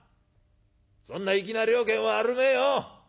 そんな粋な了見はあるめえよ。